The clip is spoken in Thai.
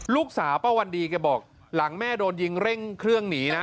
ลูกสาวป้าวันดีแกบอกหลังแม่โดนยิงเร่งเครื่องหนีนะ